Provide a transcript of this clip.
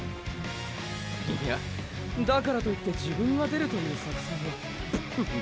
いやだからといって自分が出るという作戦はブフフッ。